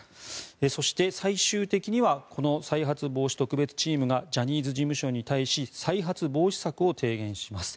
そして、最終的にはこの再発防止特別チームがジャニーズ事務所に対し再発防止策を提言します。